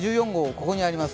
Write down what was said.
ここにあります。